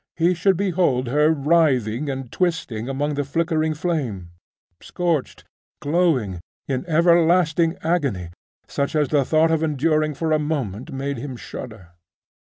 he should behold her writhing and twisting among the flickering flame, scorched, glowing.... in everlasting agony, such as the thought of enduring for a moment made him shudder.